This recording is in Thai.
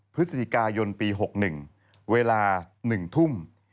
พฤศจิกายนปี๖๑เวลา๑ทุ่ม